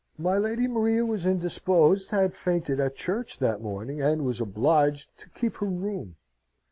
My Lady Maria was indisposed, had fainted at church that morning, and was obliged to keep her room.